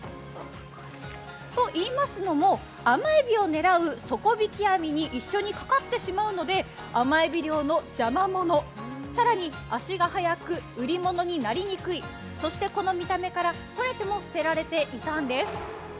といいますのも、甘えびを狙う底引き網に一緒にかかってしまうので甘えび漁の邪魔者、更に、足が早く、売り物になりにくい、そして、この見た目からとれても捨てられていたんです。